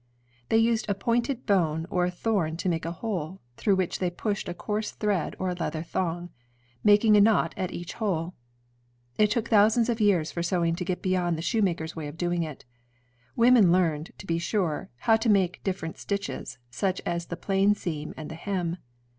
They used a pointed bone or a thorn to make a hole; through this they pushed a coarse thread or leather thong, making a knot at each hole. It took thousands of years for sewing to get beyond the shoemaker's way of doing it. Women learned, to be sure, how to make different stitches, such as the plain seam and the hem.